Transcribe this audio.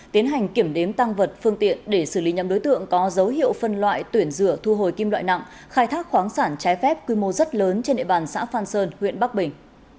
tiến hành kiểm đếm tăng vật phương tiện để xử lý nhầm đối tượng có dấu hiệu phân loại tuyển rửa thu hồi kim loại nặng khai thác khoáng sản trái phép quy mô rất lớn trên địa bàn xã phan sơn huyện bắc bình